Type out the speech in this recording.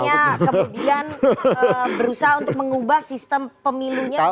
artinya kemudian berusaha untuk mengubah sistem pemilunya